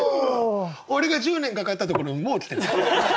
俺が１０年かかったところにもう来てんだ。